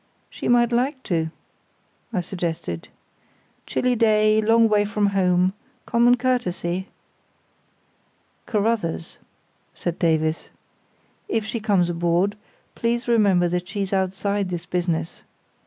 "She might like to," I suggested. "Chilly day, long way from home, common courtesy——" "Carruthers," said Davies, "if she comes aboard, please remember that she's outside this business.